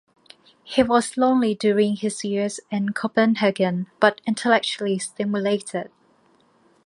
He was lonely during his years in Copenhagen, but intellectually stimulated.